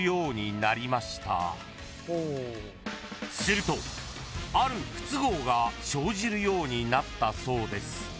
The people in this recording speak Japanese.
［するとある不都合が生じるようになったそうです］